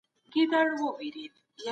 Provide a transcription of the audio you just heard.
پانګونه باید د عاید د زیاتوالي لامل سي.